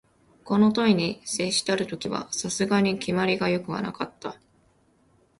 この問に接したる時は、さすがに決まりが善くはなかった